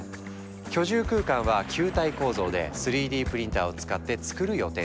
居住空間は球体構造で３Ｄプリンターを使ってつくる予定とか。